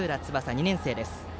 ２年生です。